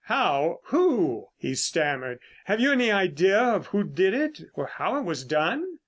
how? who?" he stammered. "Have you any idea of who did it, or how it was done?"